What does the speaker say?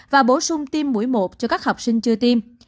và bổ sung tiêm mũi một cho các học sinh chưa tiêm